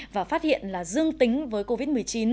và phát hiện là dương tính với covid một mươi chín